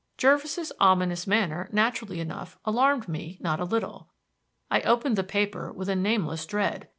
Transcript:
Jervis's ominous manner, naturally enough, alarmed me not a little. I opened the paper with a nameless dread.